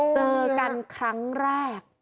เจอกันครั้งแรก